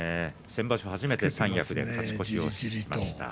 先場所、初めて三役で勝ち越しました。